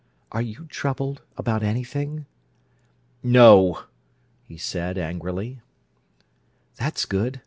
Are you troubled about anything?" "No!" he said angrily. "That's good.